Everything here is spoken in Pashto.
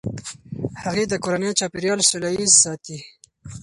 هغې د کورني چاپیریال سوله ایز ساتي.